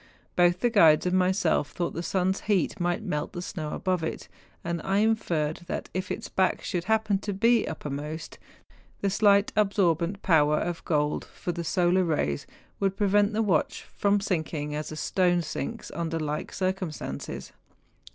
Both the guides and myself thought the sun's heat might melt the snow above it; and I inferred that if its back should happen to be uppermost, the slight absorbent power of gold for the solar rays would prevent the watch from sinking as a stone sinks under like cir¬ cumstances.